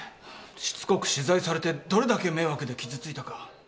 しつこく取材されてどれだけ迷惑で傷ついたか。